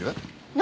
何？